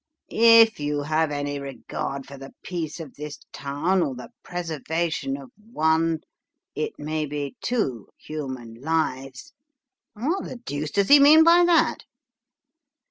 'If you have any regard for the peace of this town, or the preservation of one it may be two human lives.' What the deuce does he mean by that